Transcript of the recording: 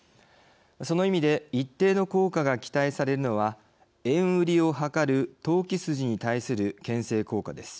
その意味で一定の効果が期待されるのは円売りを図る投機筋に対するけん制効果です。